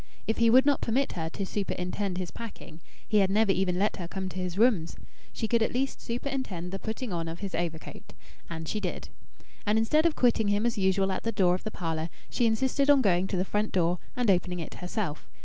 If he would not permit her to superintend his packing (he had never even let her come to his rooms!), she could at least superintend the putting on of his overcoat. And she did. And instead of quitting him as usual at the door of the parlour, she insisted on going to the front door and opening it herself.